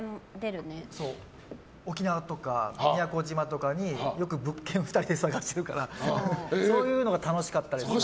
沖縄とか宮古島とかによく物件、２人で探してるからそういうのが楽しかったりします。